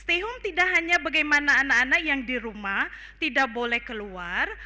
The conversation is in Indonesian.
stay home tidak hanya bagaimana anak anak yang di rumah tidak boleh keluar